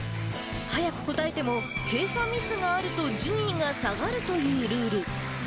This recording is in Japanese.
速く答えても、計算ミスがあると順位が下がるというルール。